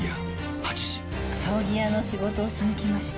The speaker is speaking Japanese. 葬儀屋の仕事をしに来ました。